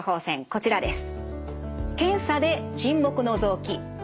こちらです。